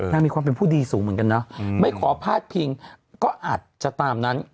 มีความเป็นผู้ดีสูงเหมือนกันเนาะไม่ขอพาดพิงก็อาจจะตามนั้น